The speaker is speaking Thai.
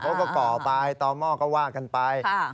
เขาก็ก่อไปต่อหม้อก็ว่ากันไป